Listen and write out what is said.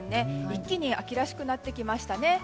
一気に秋らしくなってきましたね。